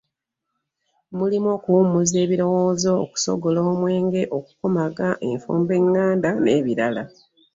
Mulimu okuwummuza ebirowoozo, okusogola omwenge, okukomaga, enfumba enganda n'ebirala